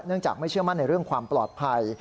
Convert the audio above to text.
จากไม่เชื่อมั่นในเรื่องความปลอดภัย